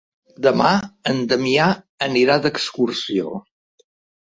Demà en Damià anirà d'excursió.